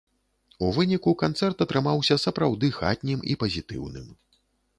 У выніку канцэрт атрымаўся сапраўды хатнім і пазітыўным.